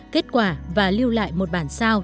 kết quả và lưu lại một bản sao